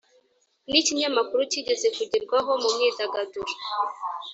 n’ikinyamakuru kigeze kugerwaho mu myidagaduro